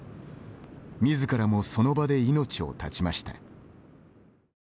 みずからもその場で命を絶ちました。